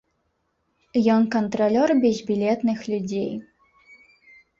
Ён кантралёр безбілетных людзей.